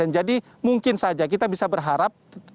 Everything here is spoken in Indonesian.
jadi mungkin saja kita bisa berharap